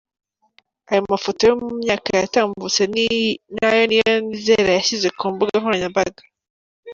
Aya mafoto yo mu myaka yatambutse ni ayo Niyonizera yashyize ku mbuga nkoranyambaga.